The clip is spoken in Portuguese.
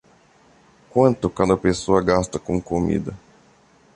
Quanto cada pessoa gasta com comida?